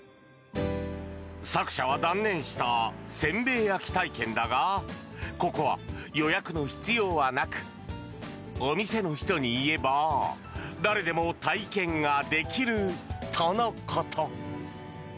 作者は断念したせんべい焼き体験だがここは予約の必要はなくお店の人に言えば誰でも体験ができるとのこと。